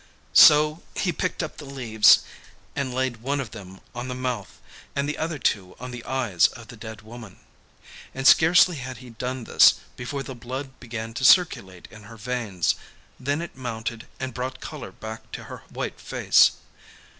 So he picked up the leaves and laid one of them on the mouth and the other two on the eyes of the dead woman. And scarcely had he done this, before the blood began to circulate in her veins, then it mounted and brought colour back to her white face.